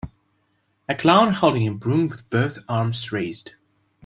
A clown holding a broom with both arms raised